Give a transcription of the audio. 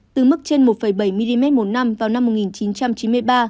từ mức trên một bảy mm một năm vào năm một nghìn chín trăm chín mươi ba